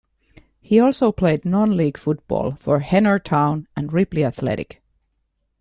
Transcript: He also played non-league football for Heanor Town and Ripley Athletic.